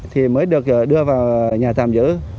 thì mới được đưa vào nhà tạm giữ